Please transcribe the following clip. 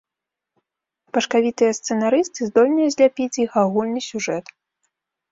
Башкавітыя сцэнарысты здольныя зляпіць з іх агульны сюжэт.